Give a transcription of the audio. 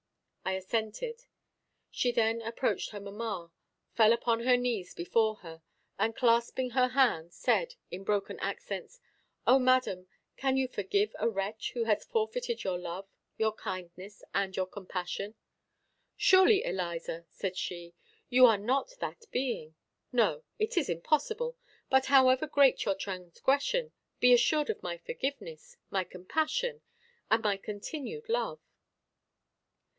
I assented. She then approached her mamma, fell upon her knees before her, and clasping her hand, said, in broken accents, "O madam, can you forgive a wretch, who has forfeited your love, your kindness, and your compassion?" "Surely, Eliza," said she, "you are not that being! No, it is impossible! But however great your transgression, be assured of my forgiveness, my compassion, and my continued love."